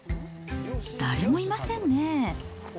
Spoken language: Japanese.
誰もいませんね。